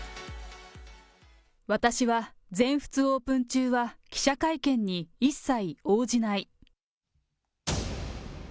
私は全仏オープン中は記者会見に一切応じない。